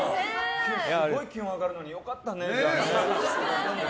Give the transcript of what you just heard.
今日、すごい気温上がるのに良かったね。